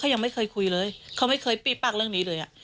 ยังไม่เคยคุยเลยเขาไม่เคยปี้ปากเรื่องนี้เลย